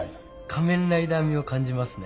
仮面ライダーみを感じますね。